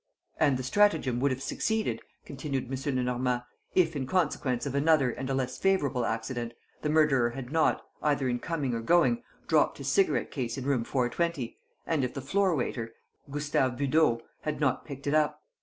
"And the stratagem would have succeeded," continued M. Lenormand, "if in consequence of another and a less favorable accident, the murderer had not, either in coming or going, dropped his cigarette case in room 420, and if the floor waiter, Gustave Beudot, had not picked it up.